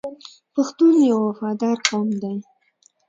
پښتون یو وفادار قوم دی.